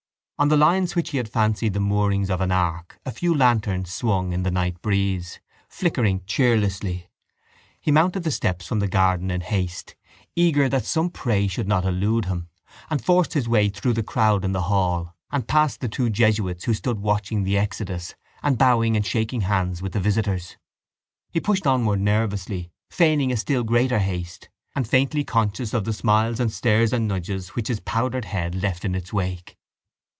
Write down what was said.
On the lines which he had fancied the moorings of an ark a few lanterns swung in the night breeze, flickering cheerlessly. He mounted the steps from the garden in haste, eager that some prey should not elude him, and forced his way through the crowd in the hall and past the two jesuits who stood watching the exodus and bowing and shaking hands with the visitors. He pushed onward nervously, feigning a still greater haste and faintly conscious of the smiles and stares and nudges which his powdered head left in its wake.